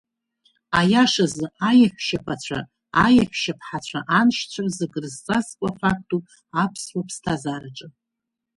Аиашазы, аиаҳәшьаԥацәа, аиаҳәшьаԥҳацәа аншьцәа рзы кыр зҵазкуа фактуп аԥсуа ԥсҭазаараҿы.